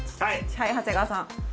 はい長谷川さん。